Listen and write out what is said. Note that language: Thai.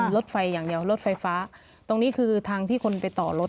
รถไฟฟ้าจากคนไปต่อรถ